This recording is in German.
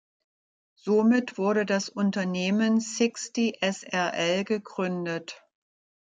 Somit wurde das Unternehmen "Sixty Srl" gegründet.